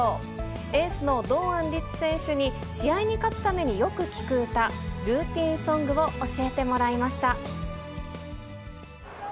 エースの堂安律選手に、試合に勝つためによく聴く歌、ルーティンソングを教えてもらいました。